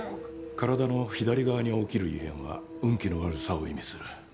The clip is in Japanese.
体の左側に起きる異変は運気の悪さを意味する。